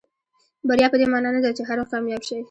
بریا پدې معنا نه ده چې هر وخت کامیاب شئ.